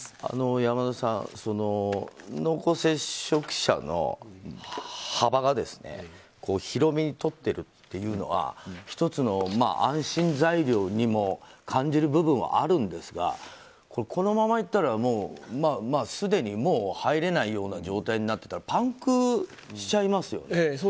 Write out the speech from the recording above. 山田さん、濃厚接触者の幅を広めに取っているのは１つの安心材料にも感じる部分があるんですがこのままいったらすでにもう入れないような状態になってたらパンクしちゃいますよね。